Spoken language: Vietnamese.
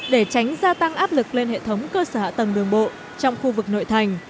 để tránh gia tăng áp lực lên hệ thống cơ sở hạ tầng đường bộ trong khu vực nội thành